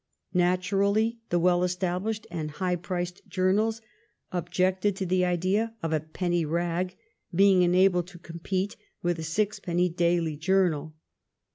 Natu rally, the well established and high priced journals objected to the idea of a penny " rag " being en abled to compete with a sixpenny daily journal.